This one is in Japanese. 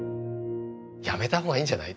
やめた方がいんじゃない？